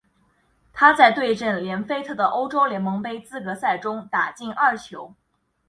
他在对阵连菲特的欧洲联盟杯资格赛中打进二球。